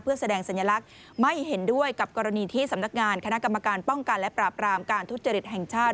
เพื่อแสดงสัญลักษณ์ไม่เห็นด้วยกับกรณีที่สำนักงานคณะกรรมการป้องกันและปราบรามการทุจริตแห่งชาติ